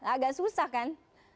agak susah kan